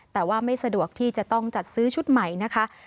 แต่ว่าไม่สะดวกที่จะต้องจัดซื้อชุดใหม่นะคะ